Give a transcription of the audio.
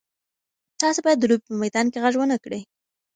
تاسي باید د لوبې په میدان کې غږ ونه کړئ.